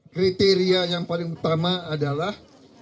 kriteria yang paling utama adalah